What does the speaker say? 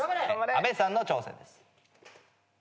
阿部さんの挑戦です。